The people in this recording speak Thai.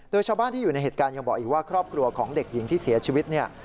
โดยชาวบ้านที่อยู่ในเหตุการณ์ยังบอกอีกว่าครอบครัวของเด็กหญิงที่เสียชีวิตเนี่ย